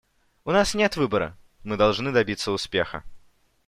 У нас нет выбора; мы должны добиться успеха.